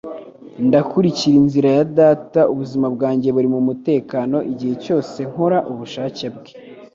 Ndakurikira inzira ya Data; ubuzima bwanjye buri mu mutekano igihe cyose nkora ubushake bwe.